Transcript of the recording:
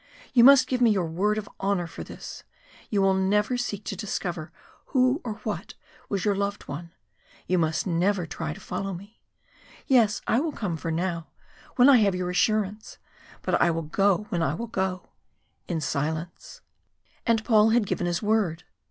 You must give me your word of honour for this you will never seek to discover who or what was your loved one you must never try to follow me. Yes, I will come for now when I have your assurance but I will go when I will go in silence." And Paul had given his word.